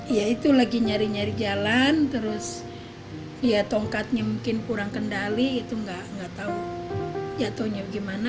ya itu lagi nyari nyari jalan terus ya tongkatnya mungkin kurang kendali itu nggak tahu jatuhnya gimana